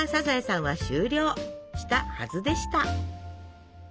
したはずでした。